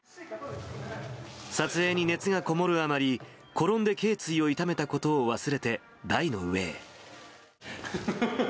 撮影に熱がこもるあまり、転んでけい椎を痛めたことを忘れて、台の上へ。